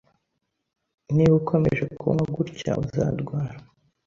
Niba ukomeje kunywa gutya, uzarwara.